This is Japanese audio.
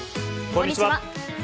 こんにちは。